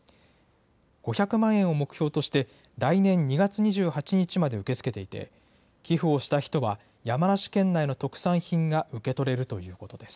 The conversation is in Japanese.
５００万円を目標として、来年２月２８日まで受け付けていて、寄付をした人は、山梨県内の特産品が受け取れるということです。